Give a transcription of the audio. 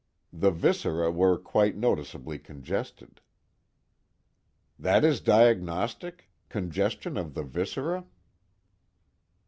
The viscera were quite noticeably congested." "That is diagnostic? congestion of the viscera?"